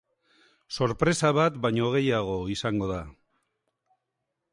Sorpresa bat baino gehiago izango da!